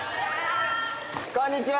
こんにちは！